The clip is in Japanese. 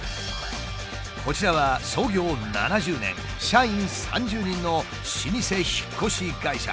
こちらは創業７０年社員３０人の老舗引っ越し会社。